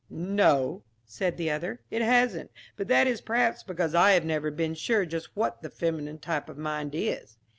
"No," said the other, "it hasn't, but that is perhaps because I have never been sure just what the feminine type of mind is."